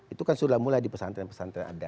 itu kan sudah mulai di pesantren pesantren ada